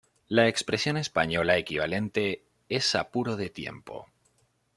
La expresión española equivalente es apuro de tiempo.